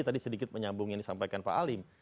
tadi sedikit menyambung yang disampaikan pak alim